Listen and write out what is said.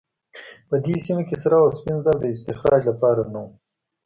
په دې سیمه کې سره او سپین زر د استخراج لپاره نه وو.